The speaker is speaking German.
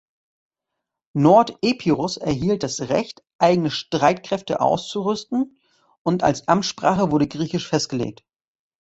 Nordepirus erhielt das Recht, eigene Streitkräfte auszurüsten, und als Amtssprache wurde Griechisch festgelegt.